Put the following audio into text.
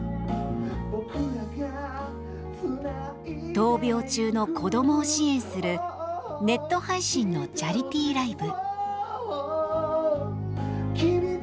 闘病中の子どもを支援するネット配信のチャリティーライブ。